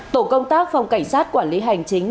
tổ công tác phòng cảnh sát quản lý hành chính